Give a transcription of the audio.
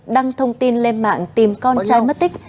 đăng thông tin lên mạng tìm con trai mất tích